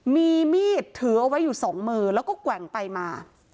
มีมีดถือเอาไว้อยู่สองมือแล้วก็แกว่งไปมา